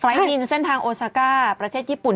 นินเส้นทางโอซาก้าประเทศญี่ปุ่น